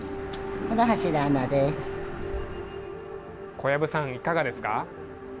小籔さん、いかがですか。